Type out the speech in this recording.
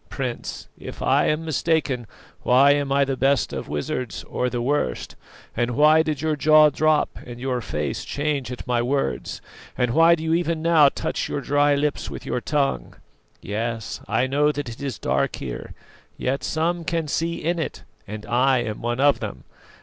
Prince, if I am mistaken, why am I the best of wizards, or the worst, and why did your jaw drop and your face change at my words, and why do you even now touch your dry lips with your tongue? Yes, I know that it is dark here, yet some can see in it, and I am one of them.